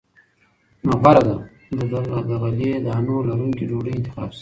نو غوره ده د غلې- دانو لرونکې ډوډۍ انتخاب شي.